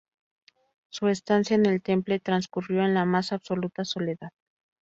Su estancia en el Temple transcurrió en la más absoluta soledad.